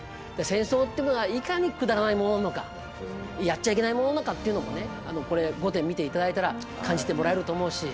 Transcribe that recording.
戦争っていうものがいかにくだらないものなのかやっちゃいけないものなのかというのもねこれ御殿見て頂いたら感じてもらえると思うし。